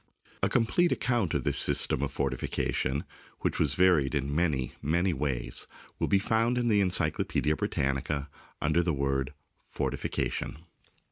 A complete account of this system of fortifica tion, which was varied in many, many ways, will be found in the Encyclopaedia Britannica under the word " Fortification."